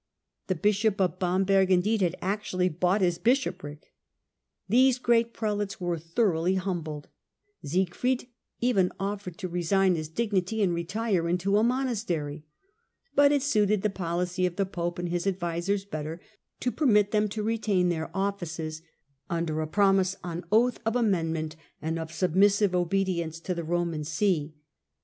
The bishop of Bamberg, indeed, had actually bought his bishopric. These great prelates were thoroughly humbled ; Sieg fried even offered to resign his dignity and retire into a monastery. But it suited the policy of the pope and his advisers better to permit them to retain their offices, under a promise on oath of amendment, and of submissive obedience to the Roman See.